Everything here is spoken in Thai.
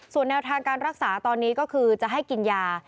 ส่วนแนวทางการรักษาตอนนี้ก็คือจะให้กินยา